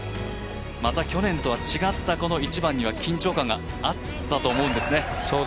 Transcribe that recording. また、去年とは違った１番には緊張感があったとは思うんですね